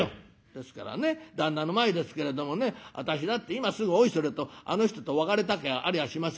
「ですからね旦那の前ですけれどもね私だって今すぐおいそれとあの人と別れたきゃありゃしませんよ。